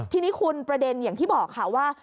ทีนี้คุณประเด็นอย่างที่บอกค่ะว่า